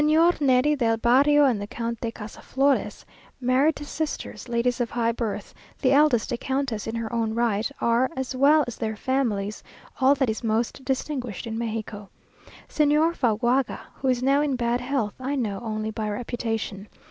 ] Señor Neri del Barrio and the Count de Casaflores, married to sisters, ladies of high birth, the eldest a countess in her own right, are, as well as their families, all that is most distinguished in Mexico. Señor Fagoaga, who is now in bad health, I know only by reputation.